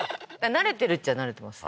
慣れてるっちゃ慣れてます